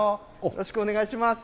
よろしくお願いします。